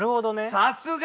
さすが！